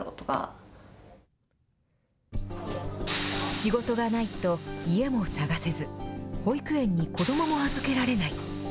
仕事がないと家も探せず、保育園に子どもも預けられない。